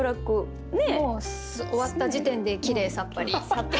もう終わった時点できれいさっぱり。